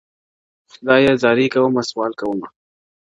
خدايه زارۍ کومه سوال کومه_